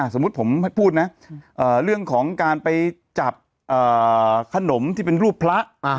สมมุติผมพูดนะเรื่องของการไปจับขนมที่เป็นรูปพระ